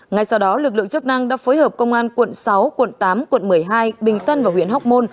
ngay sau đó lực lượng chức năng đã phối hợp công an tp hcm tp hcm tp hcm tp hcm và tp hcm